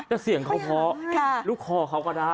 แต่เสียงเขาเพราะลูกคอเขาก็ได้